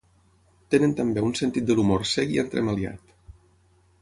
Tenen també un sentit de l'humor sec i entremaliat.